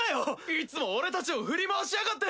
いつも俺達を振り回しやがって！